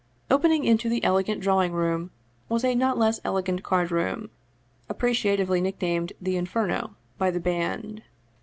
Opening into the elegant drawing room was a not less elegant card room, appreciatively nicknamed the Inferno by the band.